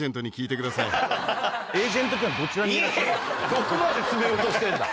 どこまで詰めようとしてんだ。